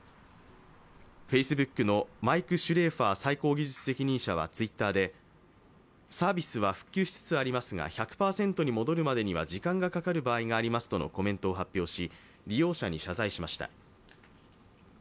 Ｆａｃｅｂｏｏｋのマイク・シュレーファー最高技術責任者はＴｗｉｔｔｅｒでサービスは復旧しつつありますが、１００％に戻るまでには時間がかかる場合がありますとのコメントを発表し利用者に謝罪しました。